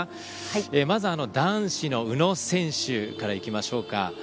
まず、男子の宇野選手からいきましょうか。